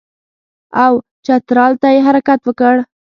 او چترال ته یې حرکت وکړ.